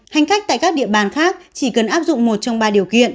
hành khách tại các địa bàn khác chỉ cần áp dụng một trong ba điều kiện